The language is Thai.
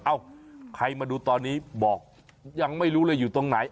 เอ้าใครมาดูตอนนี้บอกยังไม่รู้เลยอยู่ตรงไหน